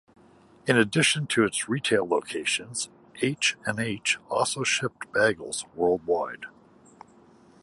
In addition to its retail locations, H and H also shipped bagels worldwide.